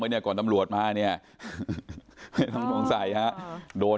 อันนี้มันลงแม่ต่อลงแม่อาจจะแหล่งเรื่องต่อของเล็กสอยมันก่อน